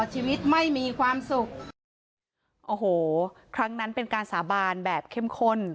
อโหครั้งนั้นเป็นการสาบานแบบเข้มข้น